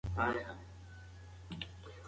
دا لاره تر هغې بلې لارې ډېره اسانه ده.